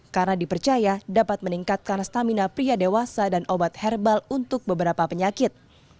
karena dipercaya dapat meningkatkan stamina pria dewasa dan obat herbal untuk beberapa penyakit